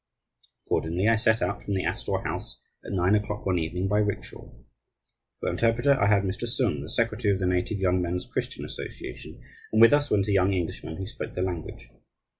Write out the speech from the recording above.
Accordingly, I set out from the Astor House at nine o'clock one evening, by rickshaw. For interpreter I had Mr. Sung, the secretary of the Native Young Men's Christian Association, and with us went a young Englishman who spoke the language.